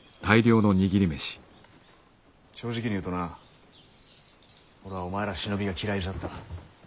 正直に言うとな俺はお前ら忍びが嫌いじゃった。